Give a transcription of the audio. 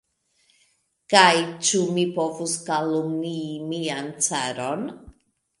Kaj ĉu mi povus kalumnii mian caron?